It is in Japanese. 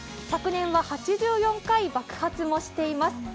昨年は８４回爆発もしています。